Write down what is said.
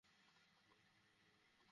হ্যা, তুমি পারবে।